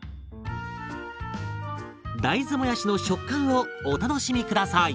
大豆もやしの食感をお楽しみ下さい。